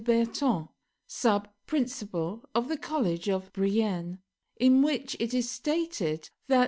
Berton, sub principal of the College of Brienne, in which it is stated that M.